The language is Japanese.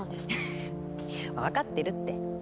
フフフ分かってるって。